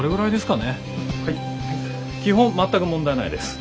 基本全く問題ないです。